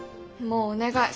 もうお願い